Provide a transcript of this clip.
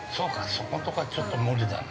そこんとこはちょっと無理だな。